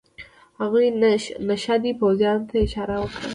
هغوی نشه دي، پوځیانو ته یې اشاره وکړل.